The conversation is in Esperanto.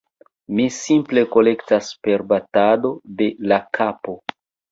mi simple kolektas per batado de la kapo.